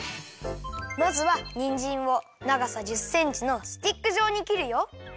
まずはにんじんをながさ１０センチのスティックじょうにきるよ。